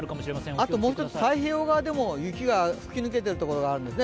あともう１つ、太平洋側でも雪が吹き抜けているところがあるんですね。